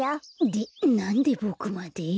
でなんでボクまで？